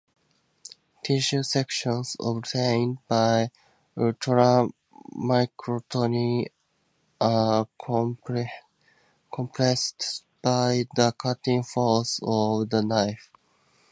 Tissue sections obtained by ultramicrotomy are compressed by the cutting force of the knife.